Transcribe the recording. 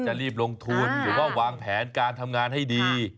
รีบลงทุนหรือว่าวางแผนการทำงานให้ดี